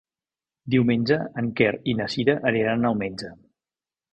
Diumenge en Quer i na Cira aniran al metge.